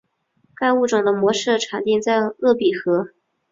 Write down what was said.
该物种的模式产地在鄂毕河。